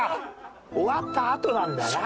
終わったあとなんだな。